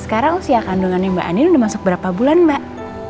sekarang usia kandungannya mbak ani udah masuk berapa bulan mbak